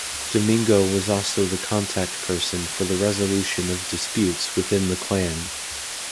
Domingo was also the contact person for the resolution of disputes within the clan.